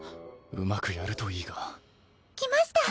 うまくやるといいが。来ました！